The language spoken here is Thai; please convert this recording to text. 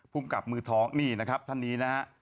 คุมกลับมือท้องนี่ณท่านนี้นะครับ